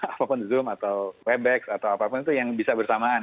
apapun zoom atau webex atau apapun itu yang bisa bersamaan